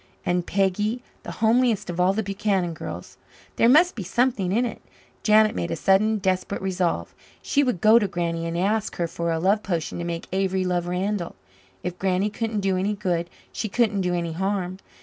And Peggy, the homeliest of all the Buchanan girls! There must be something in it. Janet made a sudden desperate resolve. She would go to Granny and ask her for a love potion to make Avery love Randall. If Granny couldn't do any good, she couldn't do any harm.